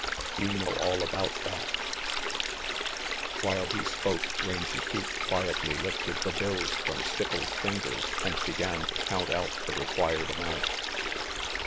You know all about that While he spoke, Rangy Pete quietly lifted the bills from Stipples' fingers and began to count out the required amount.